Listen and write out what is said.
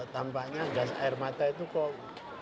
tampaknya gas air mata itu kok